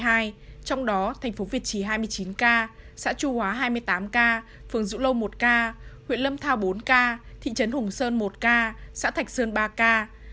trong đó thành phố việt trì hai mươi chín ca xã chu hóa hai mươi tám ca phường dụ lô một ca huyện lâm thao bốn ca thị trấn hùng sơn một ca xã thạch sơn ba ca